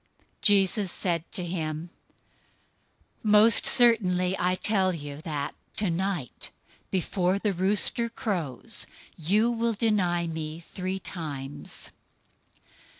026:034 Jesus said to him, "Most certainly I tell you that tonight, before the rooster crows, you will deny me three times."